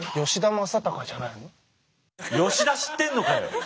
吉田知ってんのかよ！